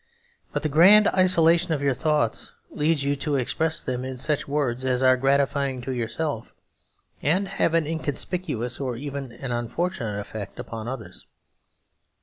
But the grand isolation of your thoughts leads you to express them in such words as are gratifying to yourself, and have an inconspicuous or even an unfortunate effect upon others.